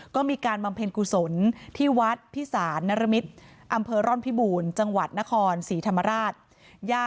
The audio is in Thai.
ก็มีการบำเพ็ญกุศลที่วัดพิสารนรมิตรอำเภอร่อนพิบูรณ์จังหวัดนครศรีธรรมราช